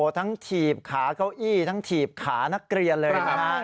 ทั้งถีบขาเก้าอี้ทั้งถีบขานักเรียนเลยนะ